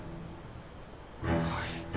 はい。